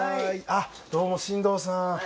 どうも進藤さん